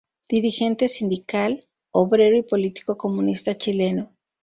Dirigente sindical, obrero y político comunista chileno.